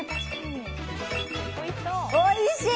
おいしい！